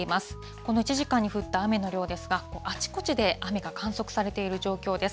この１時間に降った雨の量ですが、あちこちで雨が観測されている状況です。